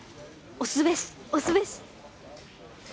押すべし押すべし。